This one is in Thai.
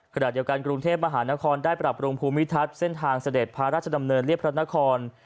ขณะเดียวกันกรุงเทพมหานครได้ปรับปรุงภูมิทัศน์เส้นทางเสด็จพระราชดำเนินเรียบพระนคร